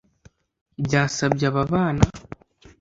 byasabye aba bana